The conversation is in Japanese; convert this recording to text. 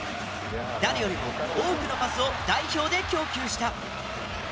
誰よりも多くのパスを代表で供給した。